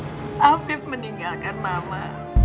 seperti gak percaya afif meninggalkan mama